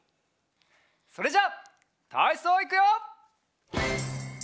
それじゃたいそういくよ。